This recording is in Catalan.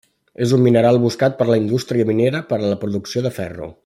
És un mineral buscat per la indústria minera per a la producció de ferro.